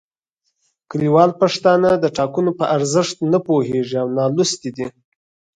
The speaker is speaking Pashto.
کلیوال پښتانه د ټاکنو په ارزښت نه پوهیږي او نالوستي دي